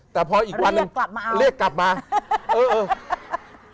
แต่พออีกวันหนึ่งเรียกกลับมาใครลืม